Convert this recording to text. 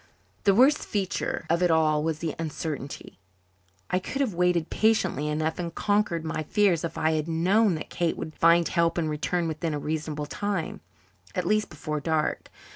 The worst feature of it all was the uncertainty. I could have waited patiently enough and conquered my fears if I had known that Kate would find help and return within a reasonable time at least before dark.